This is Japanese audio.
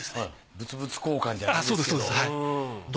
物々交換じゃないですけど。